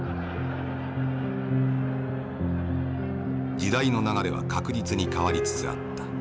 「時代の流れは確実に変わりつつあった。